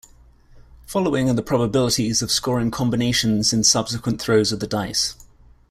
Following are the probabilities of scoring combinations in subsequent throws of the dice.